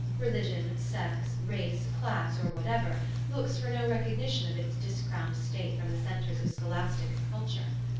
Religion, sex, race, class, or whatever, looks for no recognition of its discrowned state from the centres of scholastic cul ture.